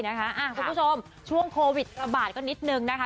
นะคะพวกผู้ชมช่วงโควิดประบาทก็นิดหนึ่งนะคะ